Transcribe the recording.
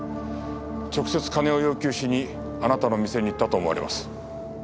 直接金を要求しにあなたの店に行ったと思われます。